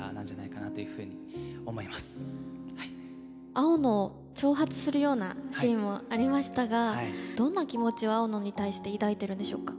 青野を挑発するようなシーンもありましたがどんな気持ちを青野に対して抱いてるんでしょうか？